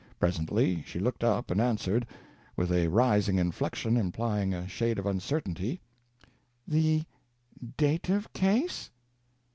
Presently she looked up and answered, with a rising inflection implying a shade of uncertainty, "The dative case?"